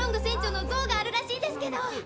船長の像があるらしいですけど。